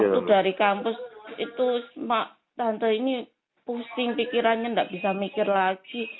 waktu dari kampus itu tante ini pusing pikirannya gak bisa mikir lagi